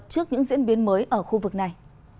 trước những diễn biến mới ở khu vực này